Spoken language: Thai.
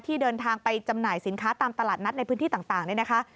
ที่เดินทางไปจำหน่ายสินค้าตามตลาดนัตรกับพือที่ต่างได้นะคะ